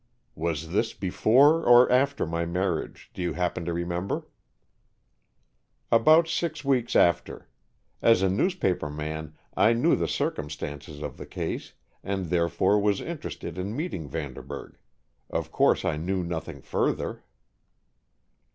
"Was this before or after my marriage, do you happen to remember?" "About six weeks after. As a newspaper man, I knew the circumstances of the case, and therefore was interested in meeting Vanderburg. Of course I knew nothing further."